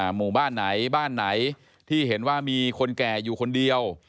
หมู่บ้านไหนบ้านไหนที่เห็นว่ามีคนแก่อยู่คนเดียว